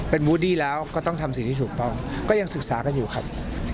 เป็นบูดดี้แล้วก็ต้องทำสิ่งที่ถูกต้องก็ยังศึกษากันอยู่ครับ